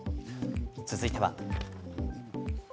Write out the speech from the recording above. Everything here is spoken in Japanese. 続いては。